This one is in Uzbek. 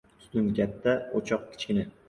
• Tutun katta ― o‘choq kichkina.